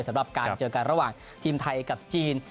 สำหรับการเจอกันระหว่างทีมไทยกับจีน